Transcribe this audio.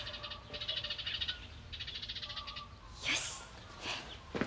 よし。